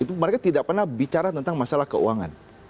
itu mereka tidak pernah bicara tentang masalah keuangan